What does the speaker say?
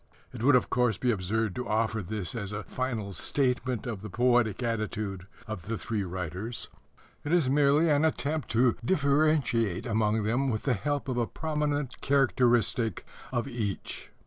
It would, of course, be absurd to offer this as a final statement of the poetic attitude of the three writers. It is merely an attempt to differentiate among them with the help of a prominent characteristic of each.